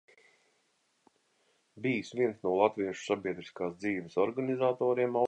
Bijis viens no latviešu sabiedriskās dzīves organizatoriem Austrālijā.